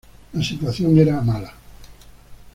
La situación era mala.